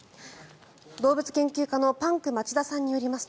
動物研究家のパンク町田さんによります